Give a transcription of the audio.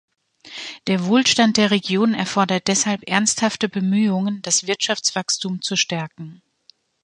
Der Wohlstand der Region erfordert deshalb ernsthafte Bemühungen, das Wirtschaftswachstum zu stärken.